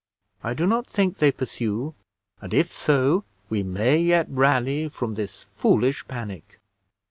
I do not think they pursue, and if so, we may yet rally from this foolish panic."